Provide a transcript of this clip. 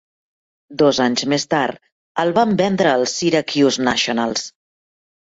Dos anys més tard el van vendre als Syracuse Nationals.